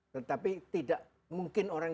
tetapi tidak mungkin orang